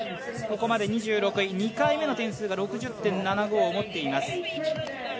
ここまで２６位２回目の点数が６０．７５を持っています。